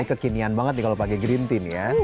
ini kekinian banget nih kalau pake green tea nih ya